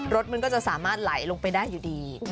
รถมันก็จะสามารถไหลลงไปได้อยู่ดี